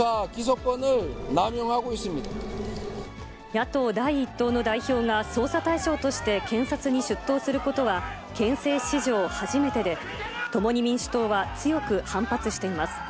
野党第１党の代表が捜査対象として検察に出頭することは憲政史上初めてで、共に民主党は強く反発しています。